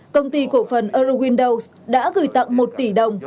công ty cổ phần eurowindows đã gửi tặng một tỷ đồng